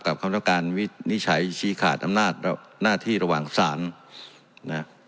กับคำลักษณะการวินิจฉัยชี้ขาดน้ำหน้าและหน้าที่ระหว่างสารนะครับ